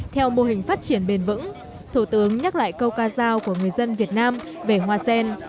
theo mô hình phát triển bền vững thủ tướng nhắc lại câu ca giao của người dân việt nam về hoa sen